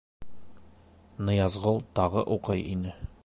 Ныязғол тағы уҡый ине: